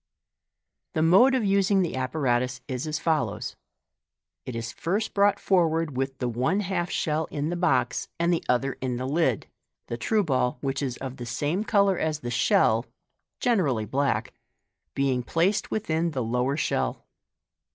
The mode of using the apparatus is as follows :— It is first brought forward with the one half shell in the box, and the othtsr in the lid, MODERN MAGIC. 299 the true ball, which is of the same colour as the sh< 11 (generally black) being placed within the lower shell.